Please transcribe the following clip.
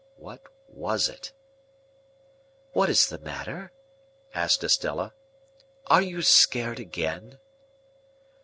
What was it? "What is the matter?" asked Estella. "Are you scared again?"